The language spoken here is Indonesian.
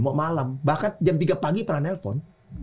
mau malam bahkan jam tiga pagi pernah nelpon